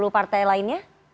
sepuluh partai lainnya